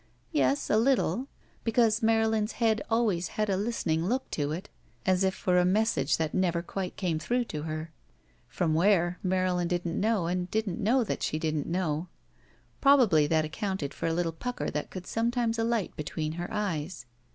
Yes, a little. Because Marylin's head always had a listening look to it, as if for a message that never quite came through to her. From where? Marylin didn't know and didn't know that she didn't know. Probably that accounted for a little pucker that could sometimes alight between her eyes.